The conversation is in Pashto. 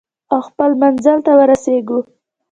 او خپل منزل ته ورسیږو.